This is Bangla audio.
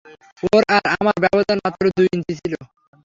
ওর আর আমার ব্যবধান মাত্র দুই ইঞ্চি ছিল!